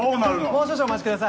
もう少々お待ちください。